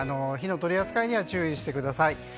火の取り扱いには注意してください。